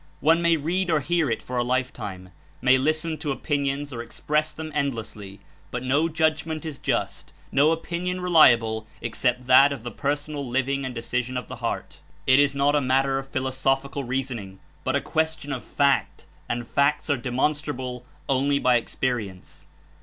One may read or hear It for a lifetime, may listen to opinions or express them endlessly, but no judgment Is just, no opinion reliable except that of the personal living and decision of the heart. It Is not a matter of philosoph ical reasoning, but a question of fact, and facts are demonstrable only by experience.